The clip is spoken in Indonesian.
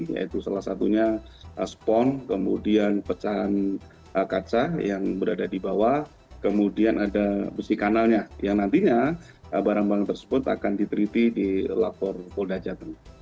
yaitu salah satunya spon kemudian pecahan kaca yang berada di bawah kemudian ada besi kanalnya yang nantinya barang barang tersebut akan diteliti di lapor polda jateng